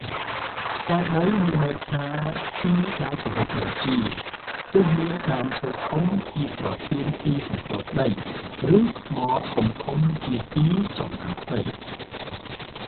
ចេតិយ មានន័យថា ទីដែលគេគោរពបូជា ទោះមានដើមឈើធំជាប្រធានជាទីសម្គាល់ក្តី ឬ ថ្មធំៗជាទីចំណាំក្តី។